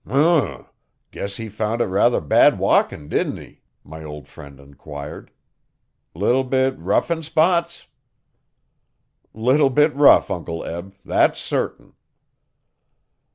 'Hm! guess he found it ruther bad walkin' didn't he?' my old friend enquired. 'Leetle bit rough in spots?' 'Little bit rough, Uncle Eb that's certain.'